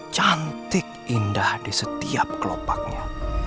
cantik indah di setiap kelopaknya